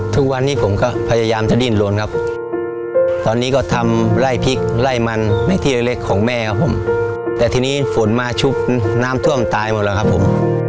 ทุกวันนี้ผมก็พยายามจะดิ้นลนครับตอนนี้ก็ทำไล่พริกไล่มันในที่เล็กของแม่ครับผมแต่ทีนี้ฝนมาชุบน้ำท่วมตายหมดแล้วครับผม